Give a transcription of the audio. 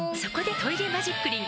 「トイレマジックリン」